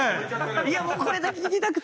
いやもうこれだけ聞きたくて。